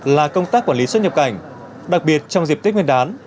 là công tác quản lý xuất nhập cảnh đặc biệt trong dịp tết nguyên đán